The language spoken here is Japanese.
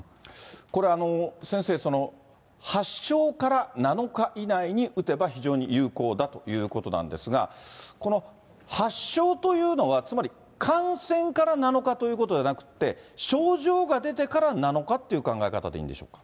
これ、先生、その発症から７日以内に打てば非常に有効だということなんですが、この発症というのは、つまり感染から７日ということではなくて、症状が出てから７日っていう考え方でいいんでしょうか？